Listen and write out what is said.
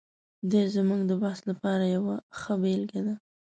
دی زموږ د بحث لپاره یوه ښه بېلګه ده.